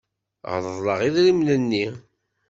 Reḍleɣ idrimen-nni.